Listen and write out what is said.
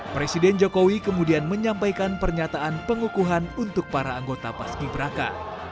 presiden jokowi kemudian menyampaikan pernyataan pengukuhan untuk para anggota paski beraka